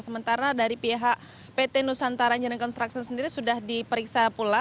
sementara dari pihak pt nusantara united construction sendiri sudah diperiksa pula